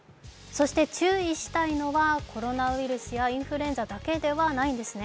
そして注意したいのはコロナウイルスやインフルエンザだけではないんですね。